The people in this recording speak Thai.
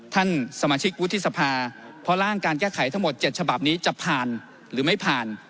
ท่านสมาชิกวุฒิสภาเพราะร่างการแก้ไขทั้งหมด๗ฉบับนี้จะผ่านหรือไม่ผ่าน